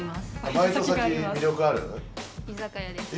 バイト先魅力ある？居酒屋？